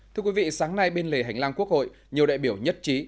thưa quý vị sáng nay bên lề hành lang quốc hội nhiều đại biểu nhất trí